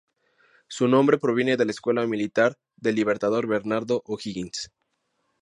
Su nombre proviene de la Escuela Militar del Libertador Bernardo O'Higgins.